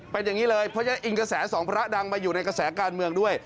เป็นอย่างนี้เลยเพราะฉะนั้นอิงกระแสสองพระดังมาอยู่ในกระแสการเมืองด้วย